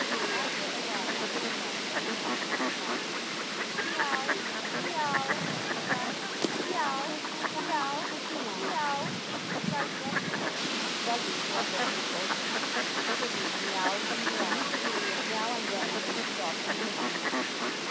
After awhile he gave it up and began to mew loudly. "Mew! Me ew ew ew!" he cried. "Mew ew! Me ew ew ew! Mew ew ew!" cried Fluffy. The buggy rumbled and jolted. The kittens mewed and mewed. Now and then they stopped and listened.